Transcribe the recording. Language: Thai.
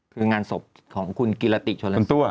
คืองานศพของคุณกิรติชนละตัว